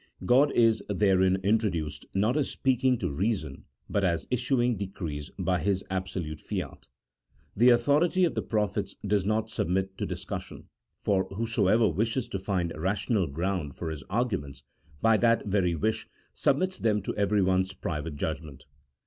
God is therein introduced not as speaking to reason, but as issuing decrees by His absolute fiat. The authority of the prophets does not submit to discussion, for whosoever wishes to find rational ground for his argu ments, by that very wish submits them to everyone's private judgment.